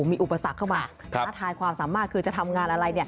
มีอุปสรรคเข้ามาท้าทายความสามารถคือจะทำงานอะไร